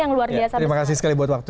yang luar biasa besar